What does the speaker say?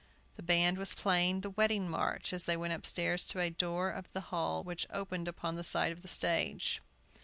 The band was playing the "Wedding March" as they went upstairs to a door of the hall which opened upon one side of the stage.